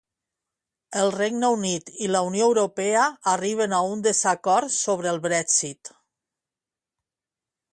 El Regne Unit i la Unió Europea arriben a un desacord sobre el Brexit.